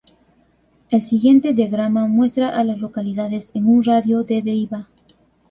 El siguiente diagrama muestra a las localidades en un radio de de Iva.